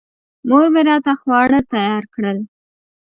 مور مې راته خواړه تیار کړل.